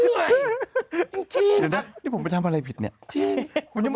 วันนี้ถึงถ้าทำรายการแทนฉันหน่อย